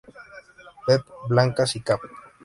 P. Blancas y Cap.